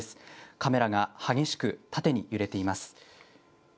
カメラが激しく縦に揺れています。